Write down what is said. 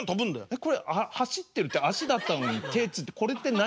えっこれ走ってるって足だったのに手ついてこれって何？